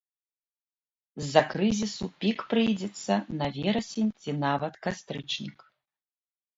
З-за крызісу пік прыйдзецца на верасень ці нават кастрычнік.